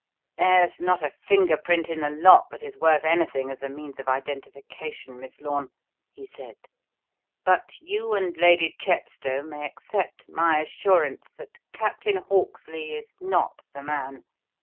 "There's not a finger print in the lot that is worth anything as a means of identification, Miss Lorne," he said. "But you and Lady Chepstow may accept my assurance that Captain Hawksley is not the man.